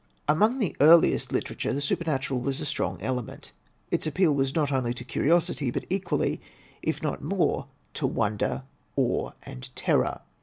* Among the earliest literature the supernatural was a strong element. Its appeal was not only to curiosity, but equally if not more to wonder, awe, and terror.